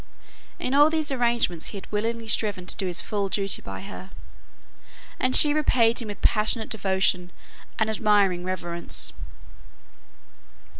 In all these arrangements he had willingly striven to do his full duty by her; and she repaid him with passionate devotion and admiring reverence.